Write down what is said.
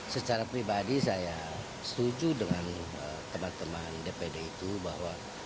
secara pribadi saya setuju dengan teman teman dpd itu bahwa